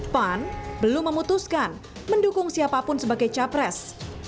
pan belum memutuskan mendukung siapapun sebagai capres